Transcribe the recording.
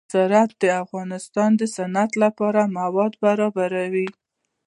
زراعت د افغانستان د صنعت لپاره مواد برابروي.